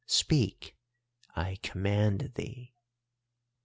Speak, I command thee.